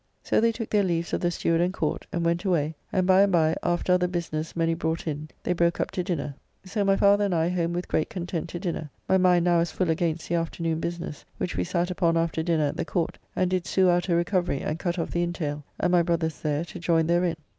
So they took their leaves of the steward and Court, and went away, and by and by, after other business many brought in, they broke up to dinner. So my father and I home with great content to dinner; my mind now as full against the afternoon business, which we sat upon after dinner at the Court, and did sue out a recovery, and cut off the intayle; and my brothers there, to join therein.